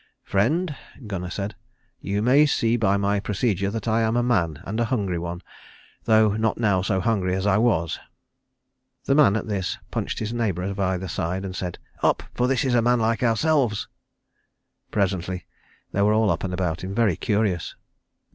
"Friend," Gunnar said, "you may see by my procedure that I am a man and a hungry one, though not now so hungry as I was." The man, at this, punched his neighbour of either side, and said, "Up, for this is a man like ourselves." Presently they were all up and about him, very curious.